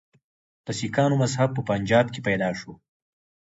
د سکانو مذهب په پنجاب کې پیدا شو.